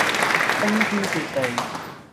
冰天雪地